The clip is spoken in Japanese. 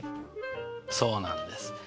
そうなんです。